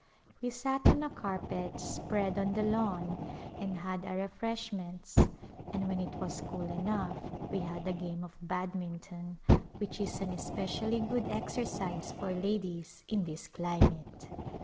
We sat on a carpet spread on the lawn and had our refreshments and when it was cool enough we had a game of badminton, which is an especially good exercise for ladies in this climate.